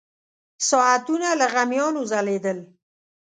ساعتونه له غمیانو ځلېدل.